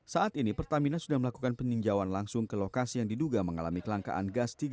saat ini pertamina sudah melakukan peninjauan langsung ke lokasi yang diduga mengalami kelangkaan gas tiga